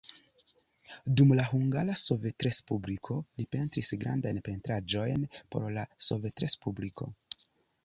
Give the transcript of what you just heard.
Dum la Hungara Sovetrespubliko li pentris grandajn pentraĵojn por la Sovetrespubliko.